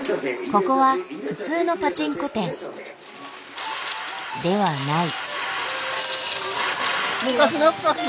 ここは普通のパチンコ店ではない。